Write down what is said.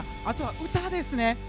あとは、歌ですね。